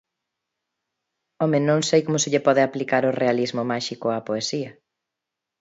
Home, non sei como se lle pode aplicar o realismo máxico á poesía.